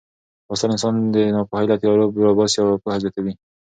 لوستل انسان د ناپوهۍ له تیارو راباسي او پوهه زیاتوي.